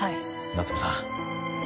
夏梅さん